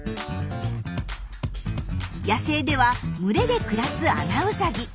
野生では群れで暮らすアナウサギ。